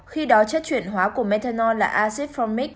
khi đó chất chuyển hóa của methanol là acid fromic